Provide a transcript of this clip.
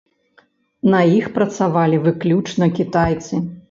На іх працавалі выключна кітайцы.